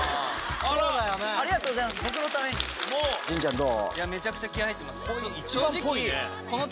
神ちゃんどう？